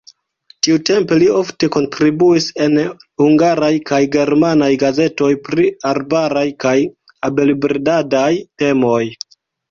Tiutempe li ofte kontribuis en hungaraj kaj germanaj gazetoj pri arbaraj kaj abelbredadaj temoj.